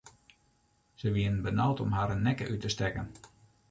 Se wienen benaud om harren nekke út te stekken.